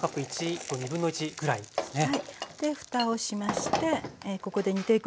ふたをしましてここで煮ていくんですけども。